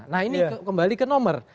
nah ini kembali ke nomor